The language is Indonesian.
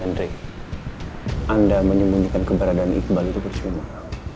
hendrik anda menyembunyikan keberadaan iqbal itu bersumah